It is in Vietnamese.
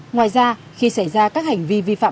ngoài ra khi xảy ra các hành vi vi phạm